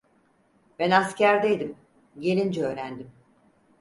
Ben askerdeydim, gelince öğrendim…